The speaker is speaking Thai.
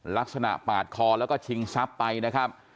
ลักษณะปาดคอแล้วก็ชิงทรัพย์ไปนะครับ